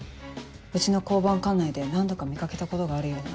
うちの交番管内で何度か見掛けたことがあるような。